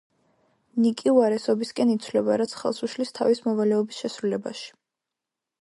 ნიკი უარესობისკენ იცვლება რაც ხელს უშლის თავის მოვალეობის შესრულებაში.